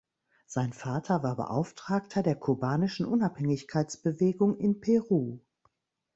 Sein Vater war Beauftragter der kubanischen Unabhängigkeitsbewegung in Peru.